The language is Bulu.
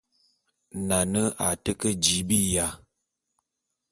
Nane a te ke jii biya.